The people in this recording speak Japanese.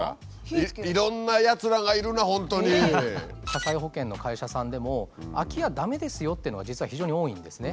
火災保険の会社さんでも空き家駄目ですよっていうのが実は非常に多いんですね。